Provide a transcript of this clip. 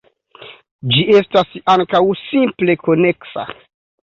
Ĝi estas ankaŭ simple-koneksa.